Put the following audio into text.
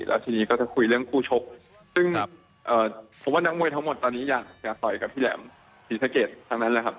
แล้วทีนี้ก็จะคุยเรื่องคู่ชกซึ่งผมว่านักมวยทั้งหมดตอนนี้อยากจะต่อยกับพี่แหลมศรีสะเกดทั้งนั้นแหละครับ